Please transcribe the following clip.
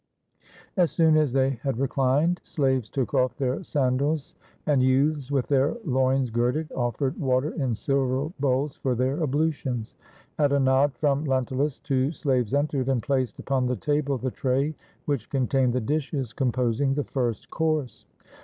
As soon as they had reclined, slaves took off their sandals, and youths, with their loins girded, offered water in silver bowls for their ablutions. At a nod from Lentulus, two slaves entered, and placed upon the table the tray which contained the dishes composing the first course.